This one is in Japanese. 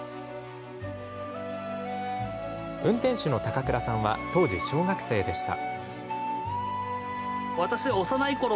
運転手の高倉さんは当時、小学生でした。